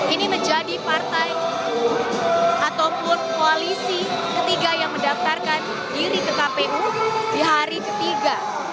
ini menjadi partai ataupun koalisi ketiga yang mendaftarkan diri ke kpu di hari ketiga